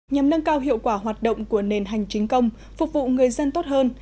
nhằm nâng cao hiệu quả hoạt động của nền hành chính công phục vụ người dân tốt hơn